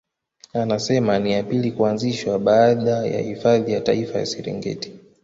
Anasema ni ya pili kuanzishwa baada ya Hifadhi ya Taifa ya Serengeti